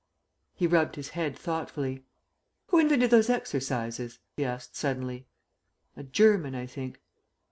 He rubbed his head thoughtfully. "Who invented those exercises?" he asked suddenly. "A German, I think."